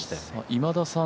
今田さん